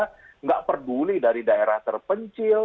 tidak peduli dari daerah terpencil